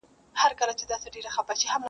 • نن د جنګ میدان ته ځي خو توپ او ګولۍ نه لري -